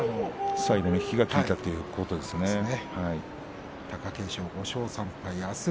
最後の引きが効いたということですね。